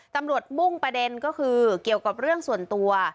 มุ่งประเด็นก็คือเกี่ยวกับเรื่องส่วนตัว